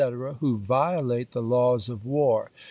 who violate the laws of war.